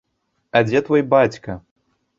А дзе твой бацька?